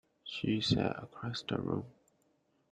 She sat across the room.